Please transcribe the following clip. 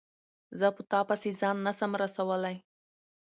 زه په تا پسي ځان نه سم رسولای